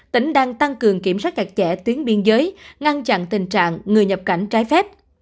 tỉnh đang tăng cường kiểm soát chặt chẽ tuyến biên giới ngăn chặn tình trạng người nhập cảnh trái phép